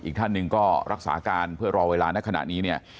อีกท่านนึงก็รักษาการเพื่อรอเวลาน่ะขณะนี้